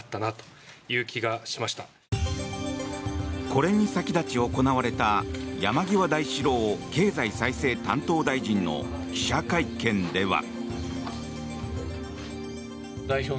これに先立ち行われた山際大志郎経済再生担当大臣の記者会見では。